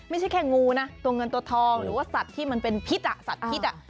ไม่ใช่แค่งูนะตัวเงินตัวทองหรือว่าสัตว์ที่มันเป็นพิษสัตว์พิษ